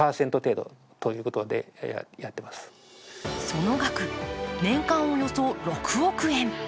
その額、年間およそ６億円。